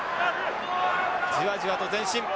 じわじわと前進。